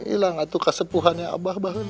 ilang atu kesepuhannya abah banget neng